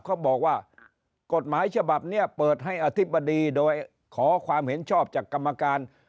เขาบอกว่ากฎหมายฉบับนี้เปิดให้อธิบดีโดยขอความเห็นชอบจากกรรมการ